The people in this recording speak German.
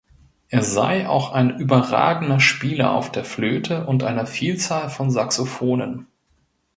Er sei auch ein überragender Spieler auf der Flöte und einer Vielzahl von Saxophonen.